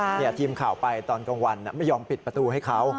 ทีมข่าวไปตอนกลางวันไม่ยอมปิดประตูให้เขา